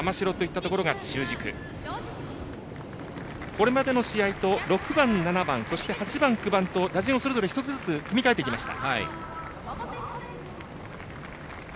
これまでの試合と６番、７番とそして８番、９番打順をそれぞれ１つずつ組み替えてきました。